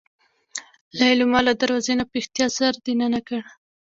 ليلما له دروازې نه په احتياط سر دننه کړ.